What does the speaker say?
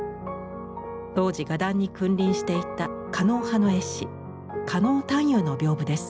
当時画壇に君臨していた狩野派の絵師・狩野探幽の屏風です。